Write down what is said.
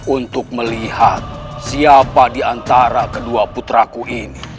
untuk melihat siapa diantara kedua putraku ini